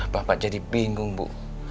bapak jadi bingung bu